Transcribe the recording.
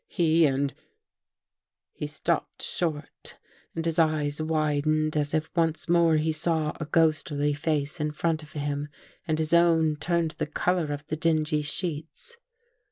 He and .. He stopped short and his eyes widened as if once more he saw a ghostly face in front of him and his own turned the color of the dingy sheets.